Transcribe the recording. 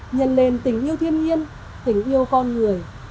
nhận lên tình yêu thiên nhiên tình yêu con người